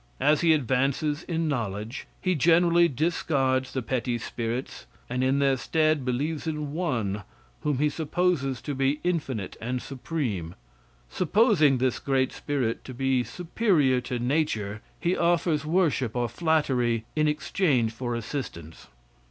As he advances in knowledge, he generally discards the petty spirits, and in their stead believes in one, whom he supposes to be infinite and supreme. Supposing this great spirit to be superior to nature, he offers worship or flattery in exchange for assistance.